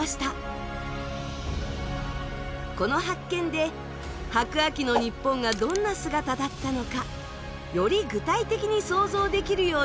この発見で白亜紀の日本がどんな姿だったのかより具体的に想像できるようになりました。